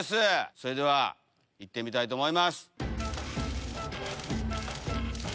それでは行ってみたいと思います。